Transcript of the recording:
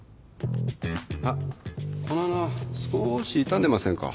あっこの花少し傷んでませんか？